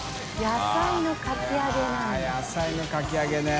野菜のかき揚げね。